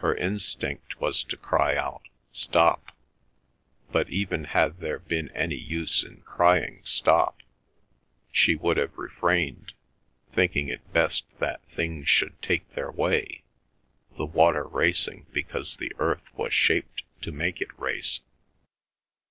Her instinct was to cry out Stop! but even had there been any use in crying Stop! she would have refrained, thinking it best that things should take their way, the water racing because the earth was shaped to make it race.